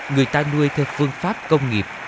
người ta nuôi theo phương pháp công nghiệp